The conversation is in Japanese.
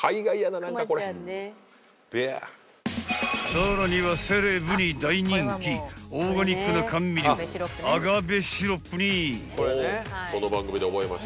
［さらにはセレブに大人気オーガニックな甘味料アガベシロップに］